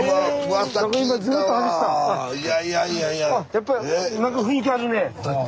やっぱりなんか雰囲気あるねえ。